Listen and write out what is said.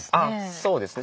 そうですね